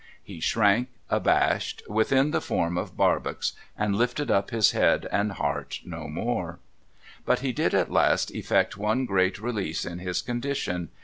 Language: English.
He shrank, abashed, within the form of Barbox, and lifted up his head and heart no more. But he did at last effect one great release in his condition.